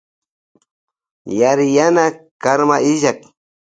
Yariyana karma illak.